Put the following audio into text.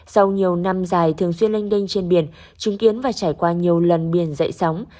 sau nhiều năm dài thường xuyên lênh đênh trên biển chứng kiến và trải qua nhiều lần biển dậy sóng